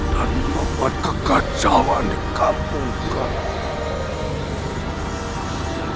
dan membuat kegajaran di kampung kalian